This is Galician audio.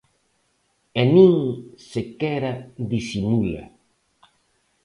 E nin sequera disimula.